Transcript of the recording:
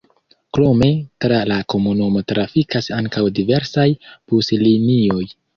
Krome tra la komunumo trafikas ankaŭ diversaj buslinioj.